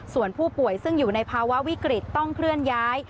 ส่วนผู้ป่วยซึ่งอยู่ในภาวะวิกฤตต้องเคลื่อนย้าย